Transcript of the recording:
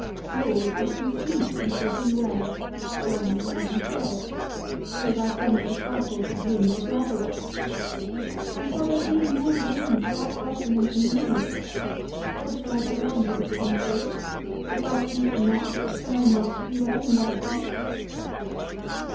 Lord, if he sleep, he shall do well, say thy Son's disciples to him of Lazarus; and shall there be no room for that argument in me? or shall I be open to the contrary? If I sleep not, shall I not be well in their sense?